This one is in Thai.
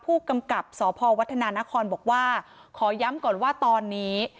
ผู้กำกับสพวัฒนานครบอกว่าขอย้ำก่อนว่าตอนนี้